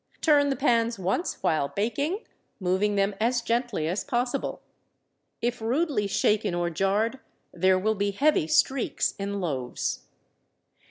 Turn the pans once while baking, moving them as gently as possible. If rudely shaken or jarred, there will be heavy streaks in the loaves.